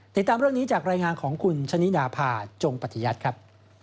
ติดตามเรื่องนี้จากรายงานของคุณชะนิดาพาจงปฏิยัติครับ